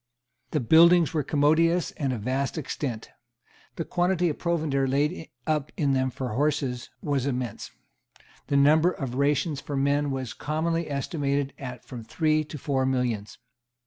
The buildings were commodious and of vast extent. The quantity of provender laid up in them for horses was immense. The number of rations for men was commonly estimated at from three to four millions.